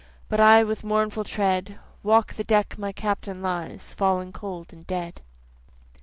But I with mournful tread, Walk the deck my Captain lies, Fallen cold and dead.